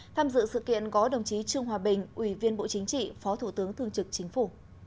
tham dự sự kiện có đồng chí trương hòa bình ủy viên bộ chính trị phó thủ tướng thương trực chính phủ